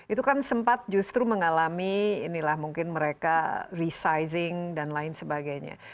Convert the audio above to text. itu kan sempat justru mengalami inilah mungkin mereka resizing dan lain sebagainya